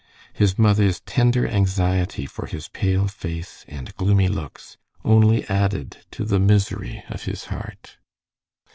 His mother's tender anxiety for his pale face and gloomy looks only added to the misery of his heart.